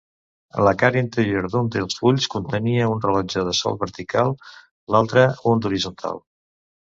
La cara interior d'un dels fulls contenia un rellotge de sol vertical, l'altre un d'horitzontal.